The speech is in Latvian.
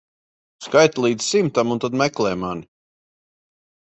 Skaiti līdz simtam un tad meklē mani.